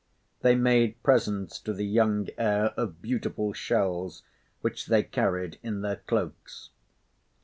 They made presents to the young heir of beautiful shells, which they carried in their cloaks.